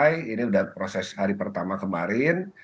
ini sudah proses hari pertama kemarin